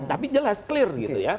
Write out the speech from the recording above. tapi jelas clear gitu ya